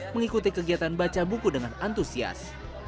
mengikuti kegiatan baca buku dengan antusias